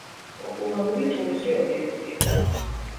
პოპულარული ტურისტული ობიექტია.